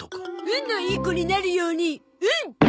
運のいい子になるようにうん。